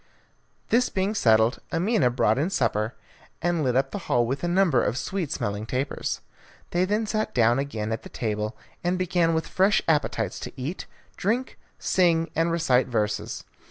This being settled, Amina brought in supper, and lit up the hall with a number of sweet smelling tapers. They then sat down again at the table, and began with fresh appetites to eat, drink, sing, and recite verses.